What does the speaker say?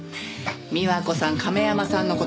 美和子さん亀山さんの事